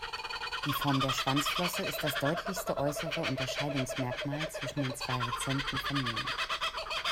Die Form der Schwanzflosse ist das deutlichste äußere Unterscheidungsmerkmal zwischen den zwei rezenten Familien.